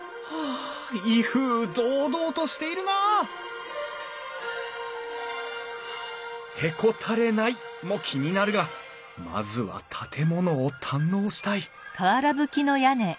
あ威風堂々としているなあ「へこたれない」も気になるがまずは建物を堪能したい！